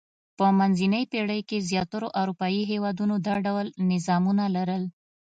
په منځنۍ پېړۍ کې زیاترو اروپايي هېوادونو دا ډول نظامونه لرل.